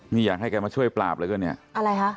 นี่อยากให้กันมาช่วยปราบแล้วก็เนี้ยอะไรคะ